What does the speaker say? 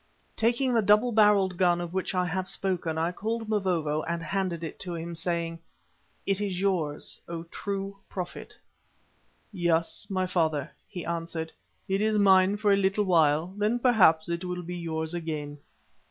Taking the double barrelled gun of which I have spoken, I called Mavovo and handed it to him, saying: "It is yours, O true prophet." "Yes, my father," he answered, "it is mine for a little while, then perhaps it will be yours again."